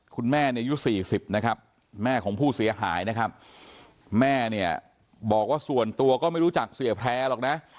คุณแม่เนี่ยอายุ๔๐นะครับแม่ของผู้เสียหายนะครับแม่เนี่ยบอกว่าส่วนตัวก็ไม่รู้จักเสียแพร่หรอกนะ